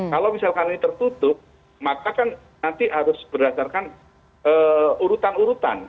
kalau misalkan ini tertutup maka kan nanti harus berdasarkan urutan urutan